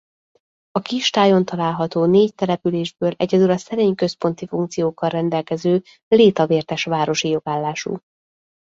A kistájon található négy településből egyedül a szerény központi funkciókkal rendelkező Létavértes városi jogállású.